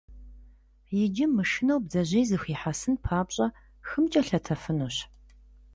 Иджы, мышынэу, бдзэжьей зыхуихьэсын папщӀэ, хымкӀэ лъэтэфынущ.